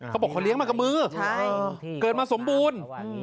เขาบอกเขาเลี้ยงมากับมือเกิดมาสมบูรณ์